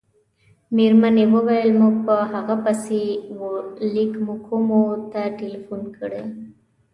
مېرمنې وویل: موږ په هغه پسې وه لېک کومو ته ټېلیفون کړی.